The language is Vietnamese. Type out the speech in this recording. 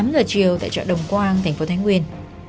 một mươi tám giờ chiều tại chợ đồng quang thành phố thái nguyên